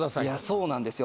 そうなんですよ。